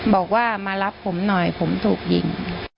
บอกว่ามารับผมหน่อยผมถูกยิง